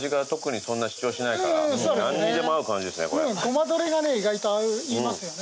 ごまドレがね意外と合いますよね。